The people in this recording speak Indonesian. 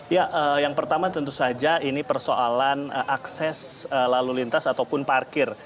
ya yang pertama tentu saja ini persoalan akses lalu lintas ataupun parkir